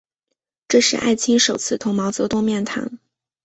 这是艾青首次同毛泽东面谈。